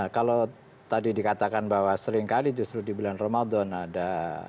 kalau tadi dikatakan bahwa seringkali justru di bulan ramadan ada